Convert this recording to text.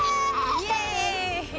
イエイ！